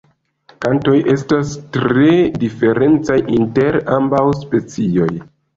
Kantoj estis tre diferencaj inter ambaŭ specioj.